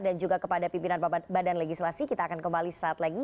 juga kepada pimpinan badan legislasi kita akan kembali saat lagi